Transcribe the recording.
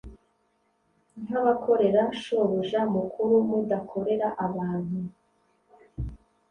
nk’abakorera Shobuja mukuru, mudakorera abantu,